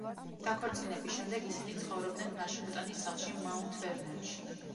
დაქორწინების შემდეგ ისინი ცხოვრობდნენ ვაშინგტონის სახლში მაუნთ ვერნონში.